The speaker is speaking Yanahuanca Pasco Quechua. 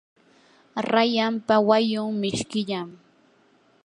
rayanpa wayun mishkillam.